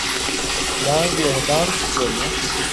وړانګې اعدام شولې